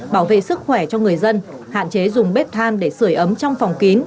bảo vệ sức khỏe cho người dân hạn chế dùng bếp than để sửa ấm trong phòng kín